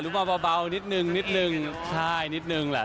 รู้มาเบานิดหนึ่งใช่นิดหนึ่งแหละ